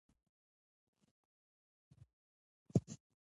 د پوهنتون درسونه د راتلونکي لپاره لار جوړوي.